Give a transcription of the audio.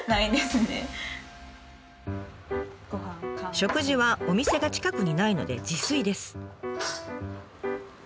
食事はお店が近くにないので自炊です。